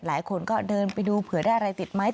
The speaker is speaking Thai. หลายคนก็เดินไปดูเผื่อได้อะไรติดไหม